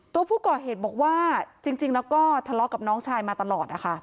ตัวผู้ก่อเหตุบอกว่าจริงแล้วก็ทะเลาะกับน้องชายมาตลอดนะคะ